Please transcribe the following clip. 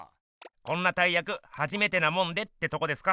こんな大やくはじめてなもんでってとこですか？